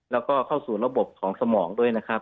แล้วก็เข้าสู่ระบบของสมองด้วยนะครับ